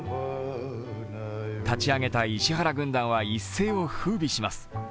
立ち上げた石原軍団は一世をふうびします。